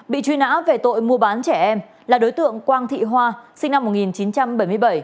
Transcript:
bị truy nã về tội mua bán trẻ em là đối tượng quang thị hoa sinh năm một nghìn chín trăm bảy mươi bảy